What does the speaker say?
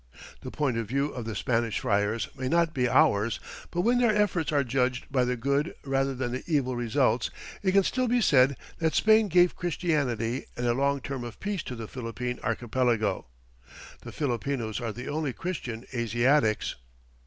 The point of view of the Spanish friars may not be ours, but when their efforts are judged by the good rather than the evil results, it can still be said that Spain gave Christianity and a long term of peace to the Philippine archipelago. The Filipinos are the only Christian Asiatics.